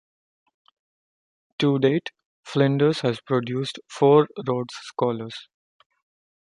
To date, Flinders has produced four Rhodes scholars.